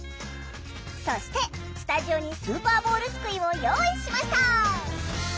そしてスタジオにスーパーボールすくいを用意しました！